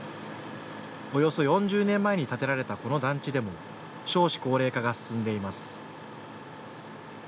およそ４０年前に建てられたこの団地でも少子高齢化が進んでいます。